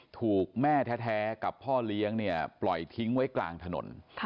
ถูกแม่แท้กับพ่อเลี้ยงเนี่ยปล่อยทิ้งไว้กลางถนน